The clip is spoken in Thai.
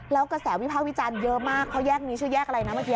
แล้วกระแสวิภาควิจารณ์เยอะมากเพราะแยกนี้ชื่อแยกอะไรนะเมื่อกี้